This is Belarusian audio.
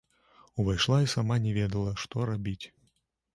Увайшла і сама не ведала, што рабіць.